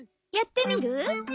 やってみる？